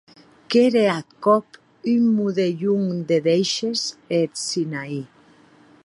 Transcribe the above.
Qu’ère ath còp un modelhon de dèishes e eth Sinaí.